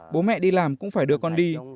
bố mẹ đi làm cũng phải đưa con đi